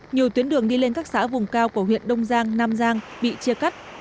nhiều tuyến đường đi lên các xã vùng cao của huyện đông giang nam giang bị chia cắt